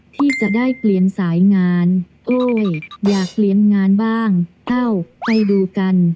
ที่จะได้เปลี่ยนสายงานโอ้ยอยากเรียนงานบ้างเอ้าไปดูกัน